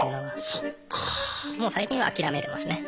もう最近は諦めてますね。